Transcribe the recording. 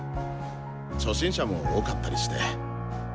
初心者も多かったりして。